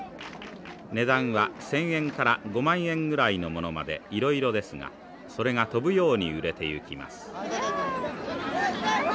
値段は１，０００円から５万円ぐらいのものまでいろいろですがそれが飛ぶように売れていきます。